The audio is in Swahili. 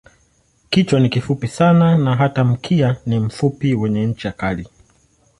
Kichwa ni kifupi sana na hata mkia ni mfupi wenye ncha kali.